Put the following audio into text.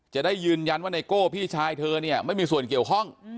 จะได้ยืนยันว่าไนโก้พี่ชายเธอเนี่ยไม่มีส่วนเกี่ยวข้อง